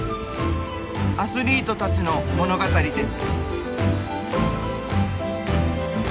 アスリートたちの物語です。